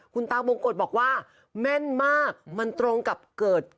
คุณตามงกฎบอกว่าแม่นมากมันตรงกับเกิด